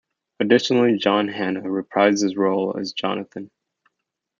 Additionally, John Hannah reprised his role as Jonathan.